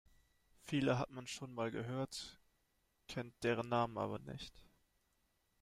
Viele hat man schon mal gehört, kennt deren Namen aber nicht.